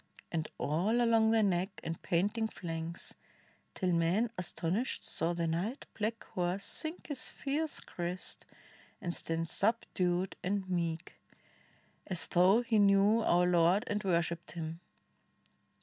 And all along the neck and panting flanks. Till men astonished saw the night black horse Sink his fierce crest and stand subdued and meek, 37 INDIA As though he knew our Lord and worshiped him.